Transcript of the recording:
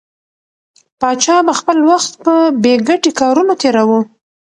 پاچا به خپل وخت په بې ګټې کارونو تېراوه.